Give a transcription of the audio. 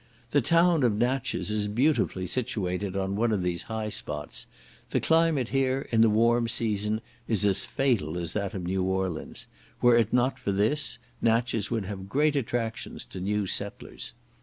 The town of Natches is beautifully situated on one of these high spots; the climate here, in the warm season, is as fatal as that of New Orleans; were it not for this, Natches would have great attractions to new settlers.